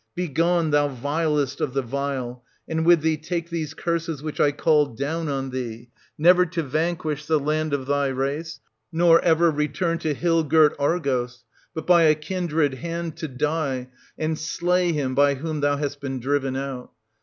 — begone, thou vilest of the vile, and with thee take these my curses which I call down on thee — never to vanquish the land of thy race, no, nor ever return to hill girt Argos, but by a kindred hand to die, and slay him by whom thou hast been driven out.